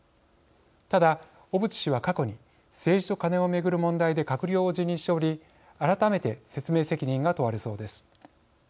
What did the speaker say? ただ、小渕氏は、過去に「政治とカネ」を巡る問題で閣僚を辞任しており改めて説明責任が問われそうです。